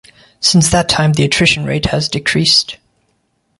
Since that time the attrition rate has decreased.